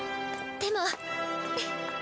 でも。